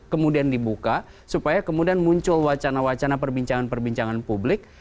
kemudian dibuka supaya kemudian muncul wacana wacana perbincangan perbincangan publik